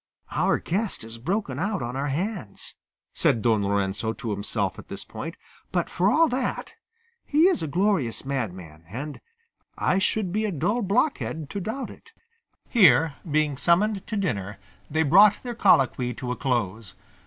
"Our guest has broken out on our hands," said Don Lorenzo to himself at this point; "but, for all that, he is a glorious madman, and I should be a dull blockhead to doubt it." Here, being summoned to dinner, they brought their colloquy to a close.